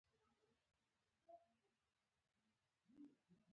ترڅو ځیږ مواد یې د رنګ په ترکیب کې شامل نه شي.